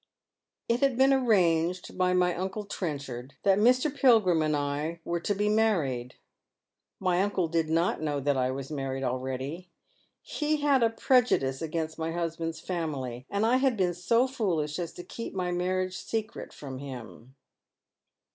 " It had been arranged by my uncle Trenchard that Mr. Pil grim and I were to be married. My uncle did not know that I was married already. He had a prejudice against my husband'? family, and I had been so foolish as to keep my marriage secret from him.